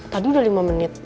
tadi udah lima menit